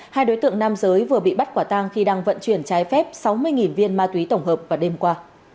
hai đối tượng nam giới vừa bị bắt quả tang khi đang vận chuyển trái phép sáu mươi viên ma túy tổng hợp vào đêm qua